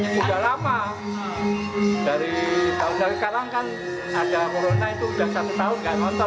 sudah lama dari tahun dari sekarang kan ada corona itu udah satu tahun nggak nonton